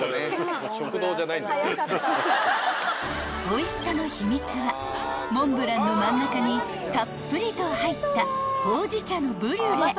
［おいしさの秘密はモンブランの真ん中にたっぷりと入ったほうじ茶のブリュレ］